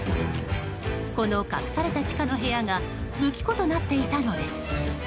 この隠された地下の部屋が武器庫となっていたのです。